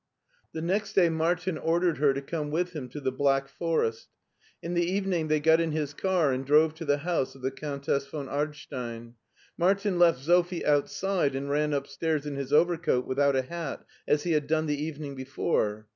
The next day Martin ordered her to come with him to the Black Forest. In the evening they got in his car and drove to the house of the Countess von Ard stein. Martin left Sophie outside, and ran upstairs in his overcoat without a hat as he had done the evening before.